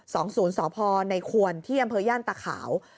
สองศูนย์สอบภอร์ในควรเที่ยมเผยั่นตะขาว